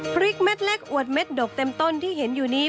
พริกเม็ดเล็กอวดเม็ดดกเต็มต้นที่เห็นอยู่นี้